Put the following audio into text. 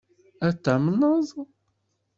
Ad t-tamneḍ?